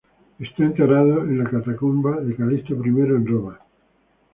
Está enterrado en la catacumba de Calixto I en Roma.